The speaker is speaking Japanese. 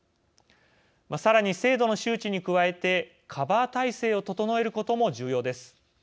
さらに、制度の周知に加えてカバー体制を整えることも重要です。